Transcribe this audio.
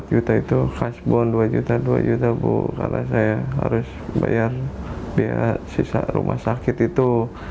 empat juta itu khas bond dua juta dua juta bu karena saya harus bayar biaya sisa rumah sakit itu